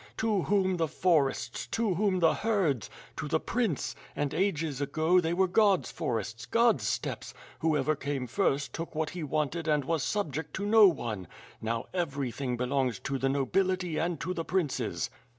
To whom the forests, to whom the herds? To the prince; and ages ago they were God's forests, God's steppes; whoever came first took what he wanted and was subject to no one. Now every thing belongs to the nobility and to the princes."